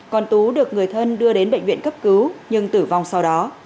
còn tú được người thân đưa đến bệnh viện cấp cứu nhưng tử vong sau đó